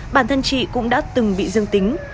bản thân chị cũng đã từng bị dương tính